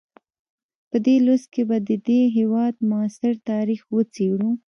په دې لوست کې به د دې هېواد معاصر تاریخ وڅېړو.